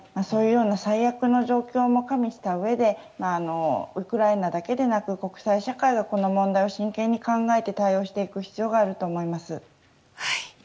そういう最悪の状況も加味したうえでウクライナだけでなく国際社会もこの問題を真剣に考えて対応していく必要があると思います。